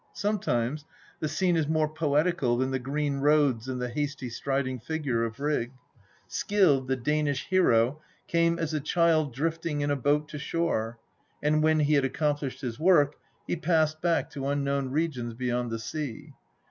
Sometimes the scene is more poetical than the green roads and the hasty striding figure of Rig. Scyld, the Danish hero, came as a child drifting in a boat to shore, and when he had accomplished his work he passed back to unknown regions beyond the sea.